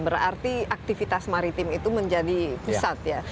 berarti aktivitas maritim itu menjadi pusat ya